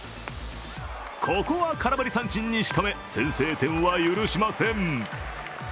ここは空振り三振にしとめ、先制点は許しません。